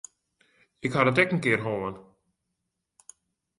Ik ha dat ek in kear hân.